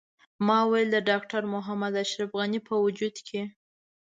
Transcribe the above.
ما ویل د ډاکټر محمد اشرف غني په وجود کې.